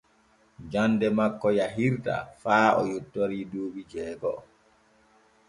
Jande makko yahirtaa faa o yottori duuɓi jeego’o.